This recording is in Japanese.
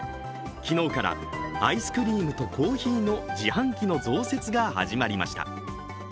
昨日からアイスクリームとコーヒーの自販機の増設が始まりました。